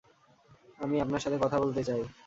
আমি আপনার সাথে কথা বলতে চাই।